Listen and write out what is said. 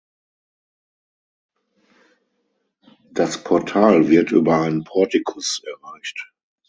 Das Portal wird über einen Portikus erreicht.